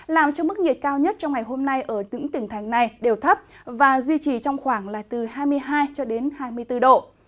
làm cho mức nhiệt cao nhất trong ngày hôm nay ở những tỉnh thành này đều thấp và duy trì trong khoảng là từ hai mươi hai hai mươi bốn độ